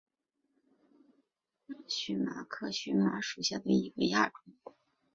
新疆异株荨麻为荨麻科荨麻属下的一个亚种。